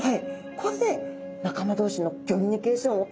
これで仲間同士のギョミュニケーションをとってるんですね。